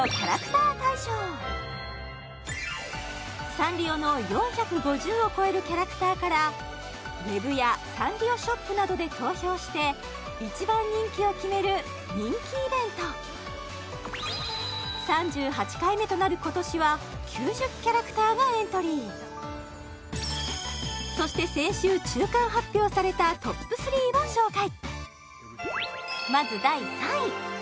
サンリオの４５０を超えるキャラクターからウェブやサンリオショップなどで投票して一番人気を決める人気イベントがエントリーそして先週中間発表されたトップ３を紹介